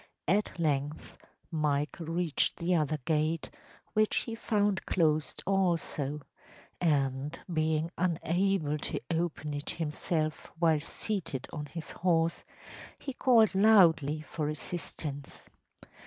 At length Michael reached the other gate, which he found closed also, and, being unable to open it himself while seated on his horse, he called loudly for assistance.